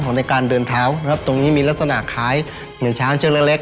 ในการเดินเท้านะครับตรงนี้มีลักษณะคล้ายเหมือนช้างเชือกเล็กเล็ก